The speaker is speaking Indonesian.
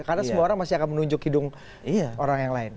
karena semua orang masih akan menunjuk hidung orang yang lain